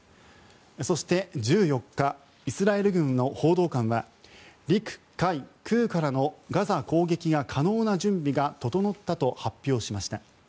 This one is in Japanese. そして、１４日イスラエル軍の報道官は陸海空からのガザ攻撃が可能な準備が整ったと発表しました。